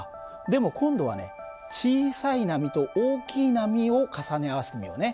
でも今度はね小さい波と大きい波を重ね合わせてみようね。